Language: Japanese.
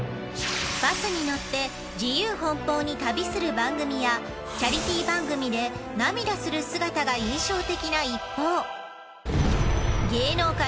バスに乗って自由奔放に旅する番組やチャリティー番組で涙する姿が印象的な一方。